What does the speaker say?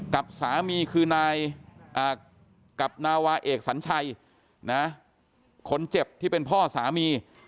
กับสามีคือนายกับนาวาเอกสัญชัยนะคนเจ็บที่เป็นพ่อสามี